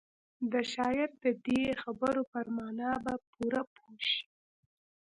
د شاعر د دې خبرو پر مانا به پوره پوه شئ.